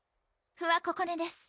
芙羽ここねです